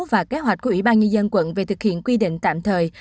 và kế hoạch của ủy ban nhân dân quận về thực hiện quy định tạm thời